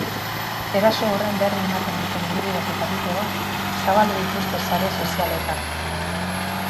Eraso horren berri ematen duten irudiak eta bideoak zabaldu dituzte sare sozialetan.